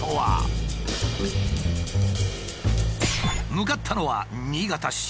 向かったのは新潟市。